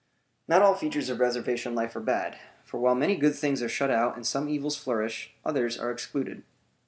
Not all features of reservation life are bad; for while many good things are shut out and some evils flourish, others are excluded.